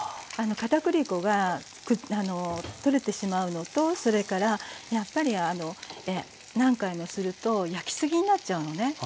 片栗粉が取れてしまうのとそれからやっぱり何回もすると焼きすぎになっちゃうのね。